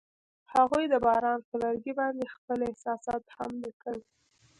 هغوی د باران پر لرګي باندې خپل احساسات هم لیکل.